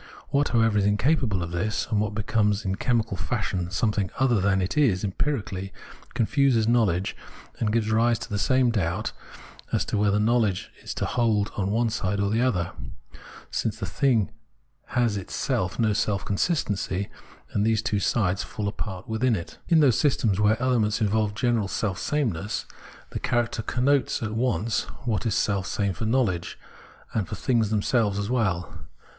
What, however, is incapable of this and becomes in chemical fashion something other than it is empirically, confuses knowledge and gives rise to the 240 Phenomenology of Mind same doubt as to whether knowledge is to hold to the one side or the other, since the thing has itself no self consistency, and these two sides fall apart within it. In those systems where the elements involve general self sameness, this character connotes at once what is self same for knowledge and for things themselves as well.